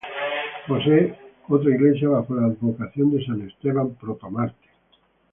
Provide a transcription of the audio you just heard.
Posee otra iglesia bajo la advocación de San Esteban Protomártir.